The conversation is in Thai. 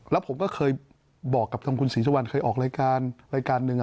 แล้วผมก็เคยบอกกับทางคุณศรีสุวรรณเคยออกรายการรายการหนึ่ง